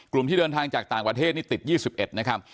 กลุ่มที่เดินทางจากต่างประเทศนี้ติดยี่สิบเอ็ดนะครับ